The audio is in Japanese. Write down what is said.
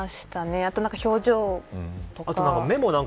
あとは表情とか。